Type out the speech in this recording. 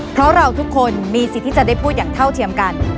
เพราะเราทุกคนมีสิทธิ์ที่จะได้พูดอย่างเท่าเทียมกัน